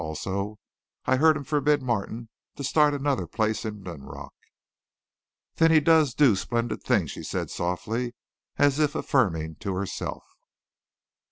Also, I heard him forbid Martin to start another place in Linrock." "Then he does do splendid things," she said softly, as if affirming to herself.